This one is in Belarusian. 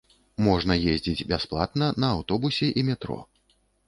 Можна ездзіць бясплатна на аўтобусе і метро.